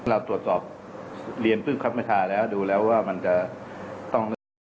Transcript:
เราตรวจสอบเรียนผู้คับวิชาแล้วดูแล้วว่ามันจะต้อง